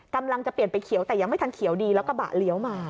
กำลังจะเปลี่ยนไปเขียวแต่ยังไม่ทันเขียวดีแล้วกระบะเลี้ยวมา